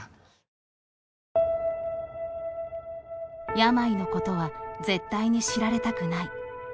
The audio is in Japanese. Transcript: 「病のことは絶対に知られたくない」。